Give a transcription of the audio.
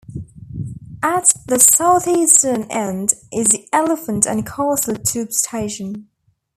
At the southeastern end is the Elephant and Castle tube station.